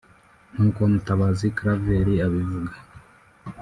nk’uko Mutabazi Claver abivuga